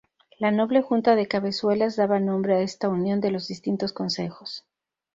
La noble Junta de Cabezuelas daba nombre a esta unión de los distintos concejos.